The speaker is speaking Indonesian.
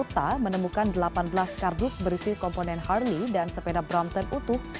kota menemukan delapan belas kardus berisi komponen harley dan sepeda brompton utuh